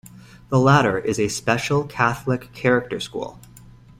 The latter is a special catholic character school.